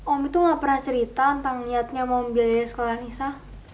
om itu nggak pernah cerita tentang niatnya mau membiayai sekolah anissa